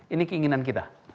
ini keinginan kita